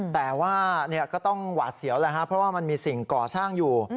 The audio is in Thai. แต่ว่าก็ต้องหวาดเสียวแล้วครับเพราะว่ามันมีสิ่งก่อสร้างอยู่